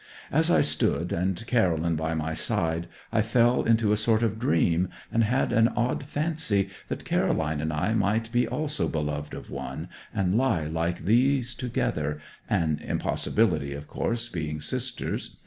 As I stood, and Caroline by my side, I fell into a sort of dream, and had an odd fancy that Caroline and I might be also beloved of one, and lie like these together an impossibility, of course, being sisters.